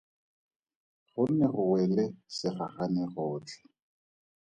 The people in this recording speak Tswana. Go ne go wele segagane gotlhe.